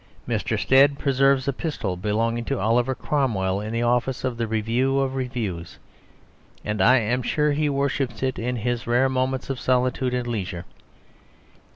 Mr. Stead preserves a pistol belonging to Oliver Cromwell in the office of the Review of Reviews; and I am sure he worships it in his rare moments of solitude and leisure.